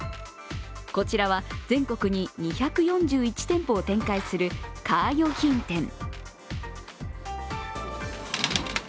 こちらは全国に２４１店舗を展開するカー用品店。